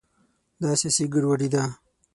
دا سیاسي ګډوډي ده.